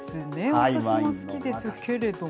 私も好きですけれども。